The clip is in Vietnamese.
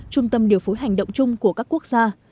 trung tâm điều phối hành động chung của các quốc gia